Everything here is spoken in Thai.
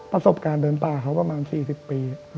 ประสบการณ์เดินป่าเขาประมาณ๔๐ปี